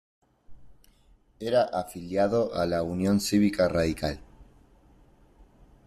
Era afiliado a la Unión Cívica Radical.